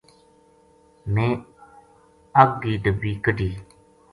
میں اَگ کی ڈَبی کَڈہی